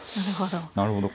なるほど。